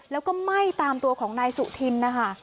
แล้วก็ไหม้ตามตัวของนายสุธินนะคะ